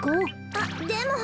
あっでも。